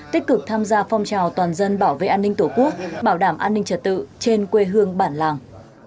tích cực tham gia phong trào toàn dân bảo vệ an ninh tổ quốc bảo đảm an ninh trật tự trên quê hương bản làng